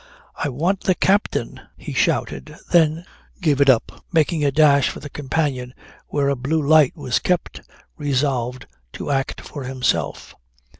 "I want the captain," he shouted, then gave it up, making a dash at the companion where a blue light was kept, resolved to act for himself.